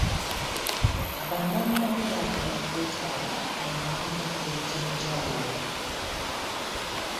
Bannamwandu baagala okwetaba mu mirimu egy'enjawulo.